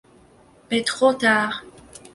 Mais trop tard...